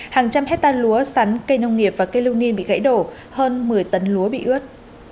hàng trăm hectare lúa sắn cây nông nghiệp và cây lưu niệm bị gãy đổ hơn một mươi tấn lúa bị ướt